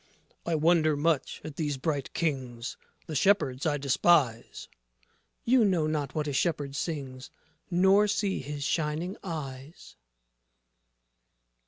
JOSEPH I wonder much at these bright Kings; The shepherds I despise. MARY You know not what a shepherd sings, Nor see his shining eyes.